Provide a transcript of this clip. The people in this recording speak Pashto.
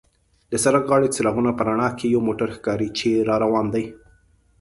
د سړک غاړې څراغونو په رڼا کې یو موټر ښکاري چې را روان دی.